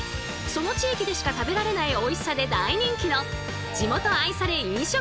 その地域でしか食べられないおいしさで大人気の「地元愛され飲食チェーン店」！